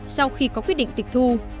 sau khi có quy định tịch thu